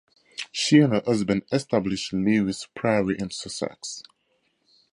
She and her husband established Lewes Priory in Sussex.